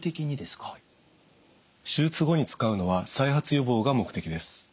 手術後に使うのは再発予防が目的です。